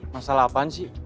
masalah apaan sih